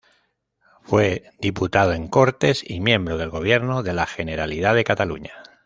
Fue diputado en Cortes y miembro del gobierno de la Generalidad de Cataluña.